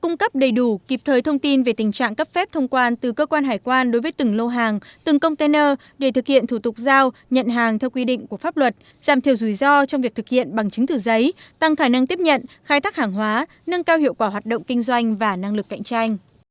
cung cấp đầy đủ kịp thời thông tin về tình trạng cấp phép thông quan từ cơ quan hải quan đối với từng lô hàng từng container để thực hiện thủ tục giao nhận hàng theo quy định của pháp luật giảm thiểu rủi ro trong việc thực hiện bằng chứng từ giấy tăng khả năng tiếp nhận khai thác hàng hóa nâng cao hiệu quả hoạt động kinh doanh và năng lực cạnh tranh